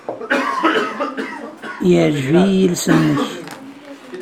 Yeɛjeb-iyi yiles-nnek.